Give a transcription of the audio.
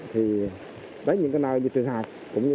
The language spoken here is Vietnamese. thì đấy những cái nơi như trường hợp